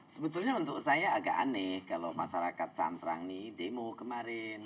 sebetulnya untuk saya agak aneh kalau masyarakat cantrang ini demo kemarin